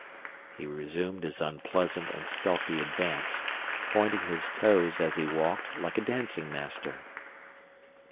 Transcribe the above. He resumed his unpleasant and stealthy advance, pointing his toes as he walked, like a dancing master.